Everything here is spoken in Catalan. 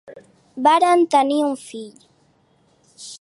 Varen tenir un fill: